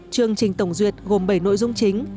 chương trình tổng duyệt gồm bảy nội dung chính